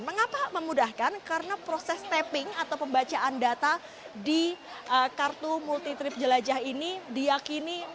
mengapa memudahkan karena proses tapping atau pembacaan data di kartu multi trip jelajah ini diakini